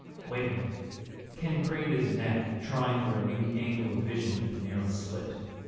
"Wait a minute." Ken craned his neck, trying for a new angle of vision through the narrow slit.